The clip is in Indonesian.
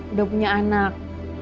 udah punya anak